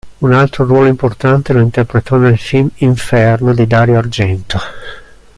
Un altro ruolo importante lo interpretò nel film "Inferno" di Dario Argento.